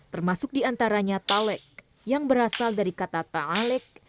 termasuk diantaranya talek yang berasal dari kata ta'alek